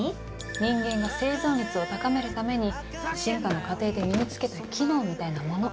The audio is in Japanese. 「人間が生存率を高めるために進化の過程で身につけた機能みたいなもの」